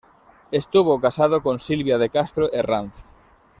Estuvo casado con Silvia de Castro Herranz.